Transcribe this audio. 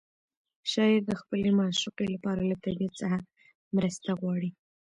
شاعر د خپلې معشوقې لپاره له طبیعت څخه مرسته غواړي.